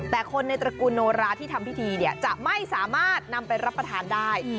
แต่คนในตระกูลโนราที่ทำพิธีเนี่ยจะไม่สามารถนำไปรับประทานได้